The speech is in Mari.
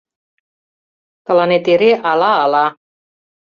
Тыланет эре «ала-ала».